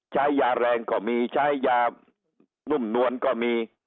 ใช้ยาแรงก็มีใช้ยานุ่มนวลก็มี